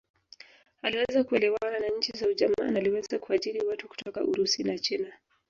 Aliweza kuelewana na nchi za ujamaa na aliweza kuajiri watu kutoka Urusi na China